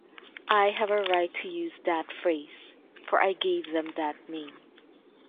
I have a right to use that phrase, for I gave them that name.